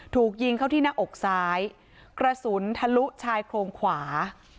ถูกยิงเข้าที่หน้าอกซ้ายกระสุนทะลุชายโครงขวา